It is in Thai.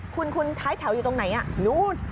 คุณท้ายแถวอยู่ตรงไหนนู้น